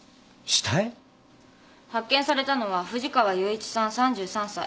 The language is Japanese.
発見されたのは藤川雄一さん３３歳。